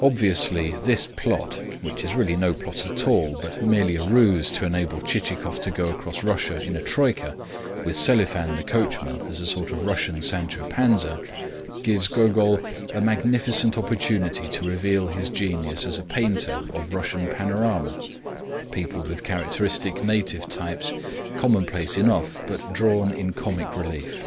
Obviously, this plot, which is really no plot at all but merely a ruse to enable Chichikov to go across Russia in a troika, with Selifan the coachman as a sort of Russian Sancho Panza, gives Gogol a magnificent opportunity to reveal his genius as a painter of Russian panorama, peopled with characteristic native types commonplace enough but drawn in comic relief.